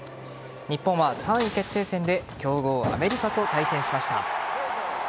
日本は３位決定戦で強豪・アメリカと対戦しました。